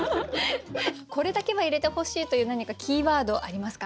これだけは入れてほしいという何かキーワードありますか？